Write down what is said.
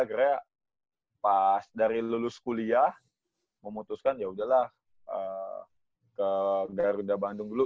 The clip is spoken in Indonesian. karena pas dari lulus kuliah memutuskan yaudah lah ke garuda bandung dulu